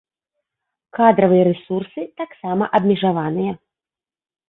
Кадравыя рэсурсы таксама абмежаваныя.